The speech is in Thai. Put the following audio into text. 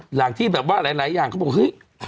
หลังที่แบบว่าหลายอย่างเขาบอกเฮ้ย